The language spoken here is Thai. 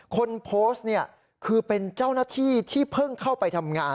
คนโพสต์เนี่ยคือเป็นเจ้าหน้าที่ที่เพิ่งเข้าไปทำงาน